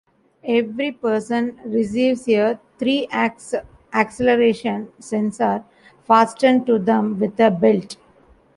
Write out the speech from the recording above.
Every person receives a three-axis acceleration sensor, fastened to them with a belt.